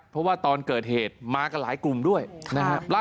เพราะว่าตอนเกิดเหตุมากันหลายกลุ่มด้วยนะครับ